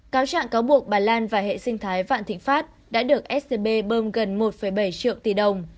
cáo trạng cáo buộc bà lan và hệ sinh thái vạn thịnh pháp đã được sdb bơm gần một bảy triệu tỷ đồng